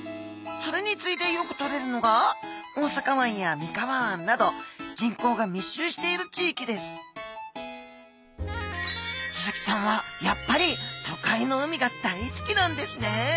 それに次いでよく取れるのが大阪湾や三河湾など人口が密集している地域ですスズキちゃんはやっぱり都会の海が大好きなんですね